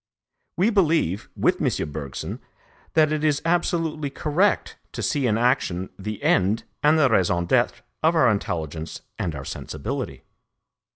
We believe, with M. Bergson, that it is absolutely correct to see in action the end and the raison d'être of our intelligence and our sensibility.